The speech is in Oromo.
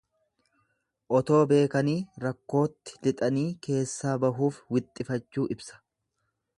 Otoo beekanii rakkootti lixanii keessaa bahuuf wixxifachuu ibsa.